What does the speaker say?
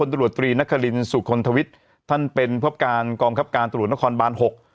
ตรวจตรีนครินสุคลทวิทย์ท่านเป็นพบการกองคับการตรวจนครบานหก